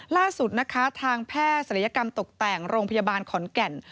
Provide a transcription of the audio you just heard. ล่าสุดนะคะทางแพทย์ศัลยกรรมตกแต่งโรงพยาบาลขอนแก่น